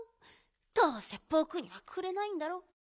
どうせぼくにはくれないんだろ。